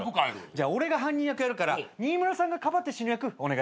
じゃあ俺が犯人役やるから新村さんがかばって死ぬ役お願いします。